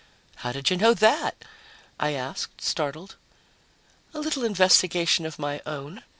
"How did you know that?" I asked, startled. "A little investigation of my own.